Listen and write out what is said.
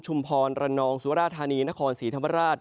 พรระนองสุราธานีนครศรีธรรมราช